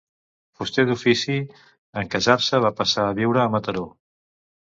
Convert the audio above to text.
Fuster d'ofici, en casar-se va passar a viure a Mataró.